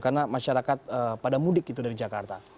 karena masyarakat pada mudik gitu dari jakarta